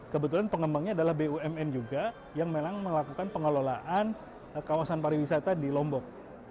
kebetulan pengembangnya adalah bumn juga yang memang melakukan pengelolaan kawasan pariwisata di lombok